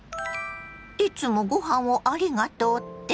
いつもごはんをありがとうって？